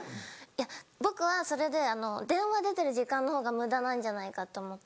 いや僕はそれで電話出てる時間の方が無駄なんじゃないかと思って。